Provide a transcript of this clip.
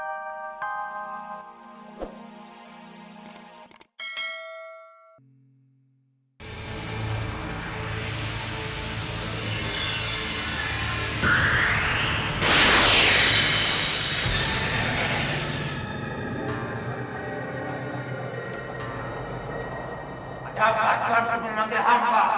ada kata kata menanggil hamba